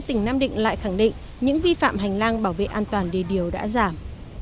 tỉnh nam định lại khẳng định những vi phạm hành lang bảo vệ an toàn đề điều đã giảm